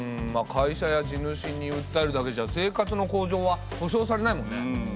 会社や地主にうったえるだけじゃ生活の向上は保障されないもんね。